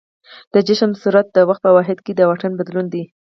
د جسم سرعت د وخت په واحد کې د واټن بدلون دی.